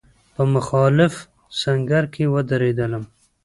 په مخالف سنګر کې ودرېدلم.